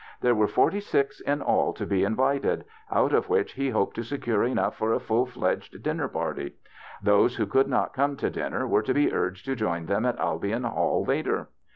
There were forty six in all to be in vited, out of which he hoped to secure enough for a full fledged dinner party. Those who could not come to dinner were to be urged to join them at Albion Hall later.